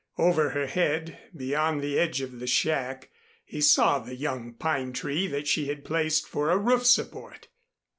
Over her head, beyond the edge of the shack, he saw the young pine tree that she had placed for a roof support.